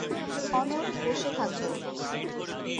অনড় বসে থাকব।